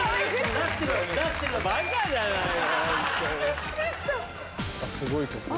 またすごいとこ。